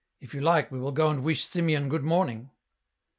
If you like, we will go and wish Simeon good morning."